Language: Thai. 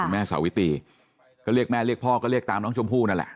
แม่สาวิตีก็เรียกแม่เรียกพ่อก็เรียกตามน้องชมพู่นั่นแหละ